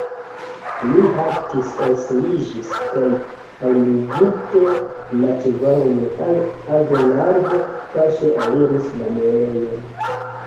Li haltis, elseliĝis kaj, alliginte la ĉevalon al avelarbo, paŝe aliris la muelejon.